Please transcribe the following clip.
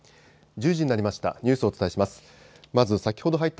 １０時になりました。